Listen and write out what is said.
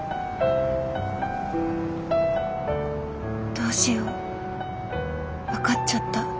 どうしよう分かっちゃった。